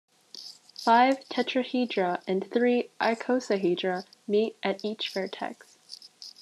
Five tetrahedra and three icosahedra meet at each vertex.